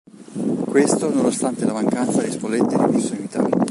Questo nonostante la mancanza di spolette di prossimità.